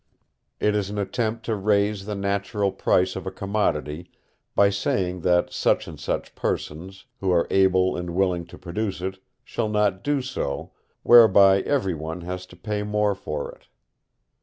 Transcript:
It is an attempt to raise the natural price of a commodity by saying that such and such persons, who are able and willing to produce it, shall not do so, whereby every one has to pay more for it.